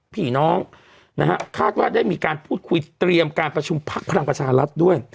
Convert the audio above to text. ผีน้องนะฮะคาดว่าได้มีการพูดคุยเตรียมการประชุมพักพลังประชารัฐด้วย